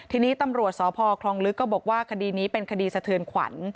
ทีนี้ตำรวจสพคลองลึกก็บอกว่าคดีนี้เป็นคดีสะเทือนขวัญ